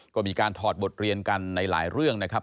ก็มีการถอดบทเรียนกันในหลายเรื่องนะครับ